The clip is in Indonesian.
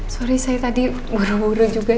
sorry saya tadi buru buru juga